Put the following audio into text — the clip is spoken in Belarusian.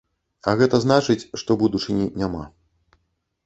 А гэта значыць, што будучыні няма.